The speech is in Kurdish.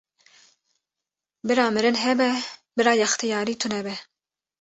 Bira mirin hebe bira yextiyarî tunebe